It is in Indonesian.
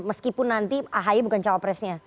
meskipun nanti ahy bukan cowok presnya